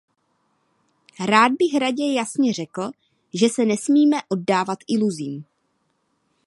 Rád bych Radě jasně řekl, že se nesmíme oddávat iluzím.